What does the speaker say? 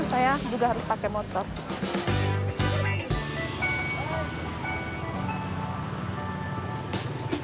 saya juga harus pakai motor hai hai